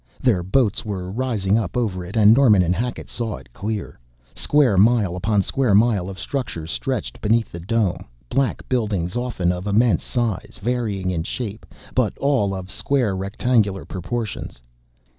Their boats were rising up over it and Norman and Hackett saw it clear. Square mile upon square mile of structures stretched beneath the dome, black buildings often of immense size, varying in shape, but all of square, rectangular proportions.